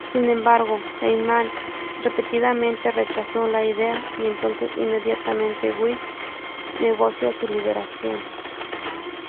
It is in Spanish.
Sin embargo, Heyman repetidamente rechazó la idea y entonces inmediatamente Wiese negoció su liberación.